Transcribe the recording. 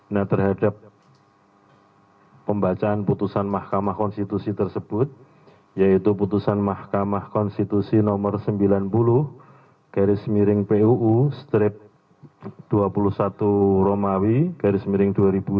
nah terhadap pembacaan putusan mahkamah konstitusi tersebut yaitu putusan mahkamah konstitusi nomor sembilan puluh garis miring puu strip dua puluh satu romawi garis miring dua ribu dua puluh